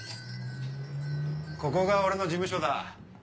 ここが俺の事務所だ。